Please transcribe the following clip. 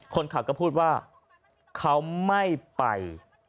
คนขับก็พูดว่าเขาไม่ไป